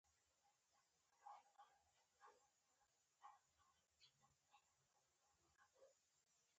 • ږغ د فریکونسۍ له مخې مختلف ډولونه لري.